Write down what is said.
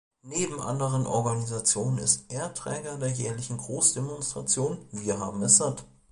Neben anderen Organisationen ist er Träger der jährlichen Großdemonstration Wir haben es satt!